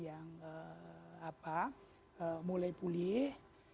kegiatan ekonomi yang mulai pulih